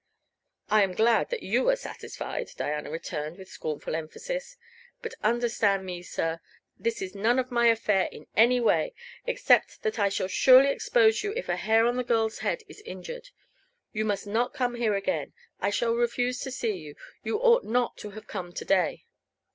"I am glad that you are satisfied," Diana returned, with scornful emphasis. "But understand me, sir; this is none of my affair in any way except that I shall surely expose you if a hair of the girl's head is injured. You must not come here again. I shall refuse to see you. You ought not to have come to day."